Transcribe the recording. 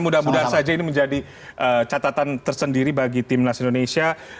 mudah mudahan saja ini menjadi catatan tersendiri bagi timnas indonesia